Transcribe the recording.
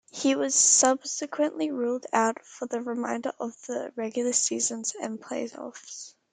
He was subsequently ruled out for the remainder of the regular season and playoffs.